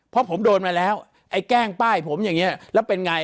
เพราะผมโดนมาแล้วไอ้แกล้งป้ายผมอย่างนี้แล้วเป็นไง